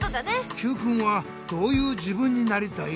Ｑくんはどういう自分になりたい？